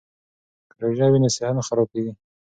که روژه وي نو صحت نه خرابیږي.